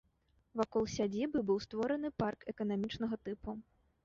Вакол сядзібы быў створаны парк эканамічнага тыпу.